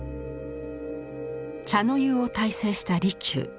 茶の湯を大成した利休。